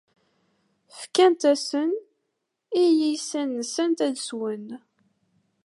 Fkant-asen i yiysan-nsent ad swen.